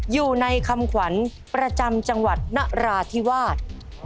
อยู่ในคำขวัญประจำจังหวัดนราธิวาส